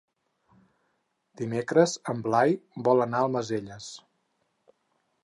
Dimecres en Blai vol anar a Almacelles.